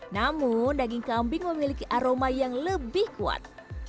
namun daging kambing memiliki aroma yang lebih kuat